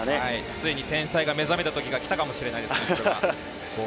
ついに天才が目覚めた時がきたかもしれないですね。